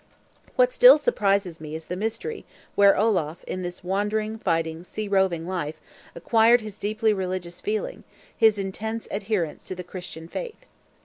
What still more surprises me is the mystery, where Olaf, in this wandering, fighting, sea roving life, acquired his deeply religious feeling, his intense adherence to the Christian Faith.